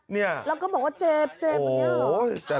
เราก็บอกว่าเจ็บ